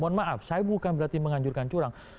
mohon maaf saya bukan berarti menganjurkan curang